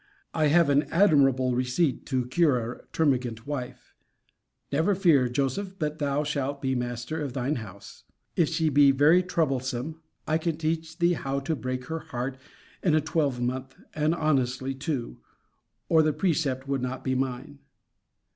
I have an admirable receipt to cure a termagant wife. Never fear, Joseph, but thou shalt be master of thine house. If she be very troublesome, I can teach thee how to break her heart in a twelvemonth; and honestly too; or the precept would not be mine.